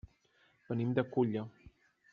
Venim de Culla.